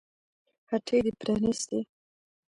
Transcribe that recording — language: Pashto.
هټۍ دې پرانيستې